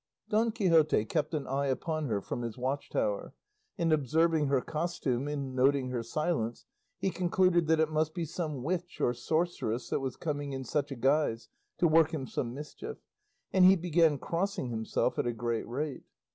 Don Quixote kept an eye upon her from his watchtower, and observing her costume and noting her silence, he concluded that it must be some witch or sorceress that was coming in such a guise to work him some mischief, and he began crossing himself at a great rate.